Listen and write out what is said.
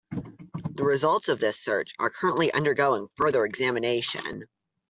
The results of this search are currently undergoing further examination.